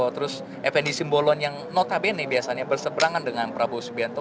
terus fn di simbolon yang notabene biasanya bersebrangan dengan prabowo subianto